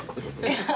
ハハハハ。